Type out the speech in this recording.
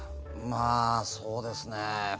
まあ、そうですね。